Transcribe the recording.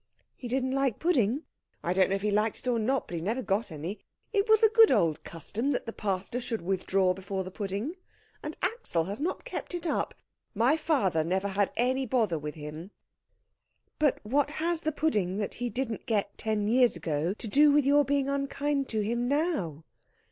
"He didn't like pudding?" "I don't know if he liked it or not, but he never got any. It was a good old custom that the pastor should withdraw before the pudding, and Axel has not kept it up. My father never had any bother with him." "But what has the pudding that he didn't get ten years ago to do with your being unkind to him now?"